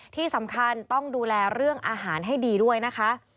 ที่สำคัญต้องดูแลเรื่องอาหารให้ดีด้วยนะคะ